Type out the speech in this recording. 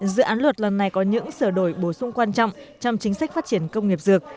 dự án luật lần này có những sửa đổi bổ sung quan trọng trong chính sách phát triển công nghiệp dược